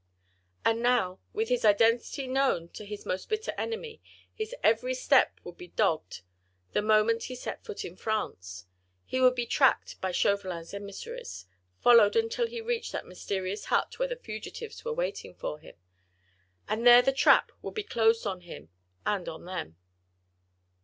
And now with his identity known to his most bitter enemy, his every step would be dogged, the moment he set foot in France. He would be tracked by Chauvelin's emissaries, followed until he reached that mysterious hut where the fugitives were waiting for him, and there the trap would be closed on him and on them.